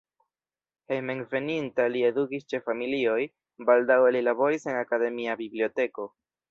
Hejmenveninta li edukis ĉe familioj, baldaŭe li laboris en akademia biblioteko.